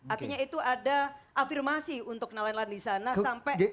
artinya itu ada afirmasi untuk nelayan nelayan di sana sampai